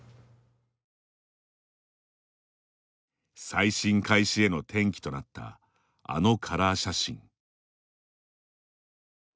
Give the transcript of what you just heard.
再審開始への転機となったあのカラー写真。